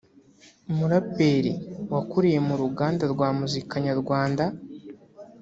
umuraperi wakuriye mu ruganda rwa muzika Nyarwanda